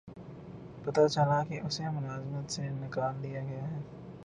پتہ چلا کہ اسے ملازمت سے نکال دیا گیا ہے